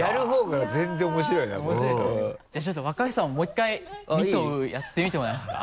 じゃあちょっと若林さんももう１回「み」と「う」やってみてもらえますか？